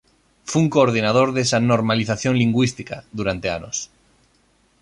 fun coordinador desa "normalización lingüística", durante anos.